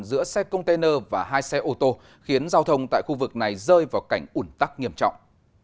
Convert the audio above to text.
giữa xe container và hai xe ô tô khiến giao thông tại khu vực này rơi vào cảnh ủn tắc nghiêm trọng